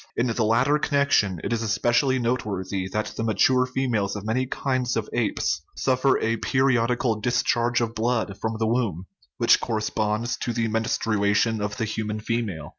In the latter connection it is es pecially noteworthy that the mature females of many 5 1 THE RIDDLE OF THE UNIVERSE kinds of apes suffer a periodical discharge of blood from the womb, which corresponds to the menstrua tion of the human female.